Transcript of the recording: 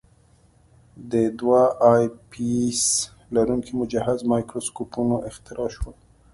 د دوه آی پیس لرونکي مجهز مایکروسکوپونه اختراع شول.